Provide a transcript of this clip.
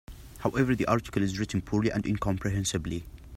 However, the article is written poorly and incomprehensibly.